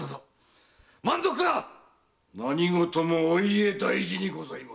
満足か⁉何事もお家大事にございます。